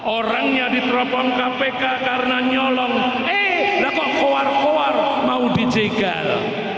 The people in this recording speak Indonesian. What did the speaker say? orangnya diterobong kpk karena nyolong eh lah kok kuar kuar mau dicegal